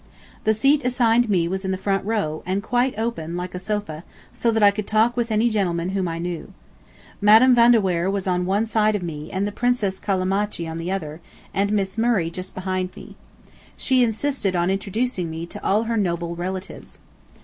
The seat assigned me was in the front row, and quite open, like a sofa, so that I could talk with any gentleman whom I knew. Madam Van de Weyer was on one side of me and the Princess Callimachi on the other, and Miss Murray just behind me. She insisted on introducing to me all her noble relatives.